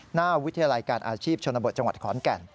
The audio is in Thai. หน้าวิทยาลัยการอาชีพชนบทจังหวัดขอนแก่น